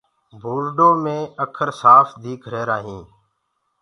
بورڊو مي اکر سآڦ ديک رهيرآ هينٚ۔